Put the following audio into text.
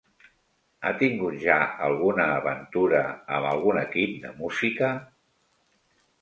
Ha tingut ja alguna aventura amb algun equip de música?